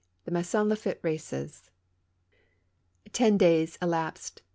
THE MAISON3 LAFFITTE RACES. T eh days elapsed.